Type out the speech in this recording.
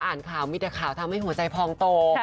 อ่านข่าวมีแต่ข่าวทำให้หัวใจพองโต